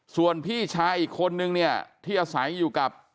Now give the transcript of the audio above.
ส่วนพี่ชายอีกคนนึงเนี่ยที่อาศัยอยู่กับ